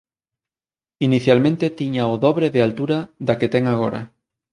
Inicialmente tiña o dobre de altura da que ten agora.